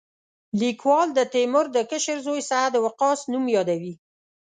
لیکوال د تیمور د کشر زوی سعد وقاص نوم یادوي.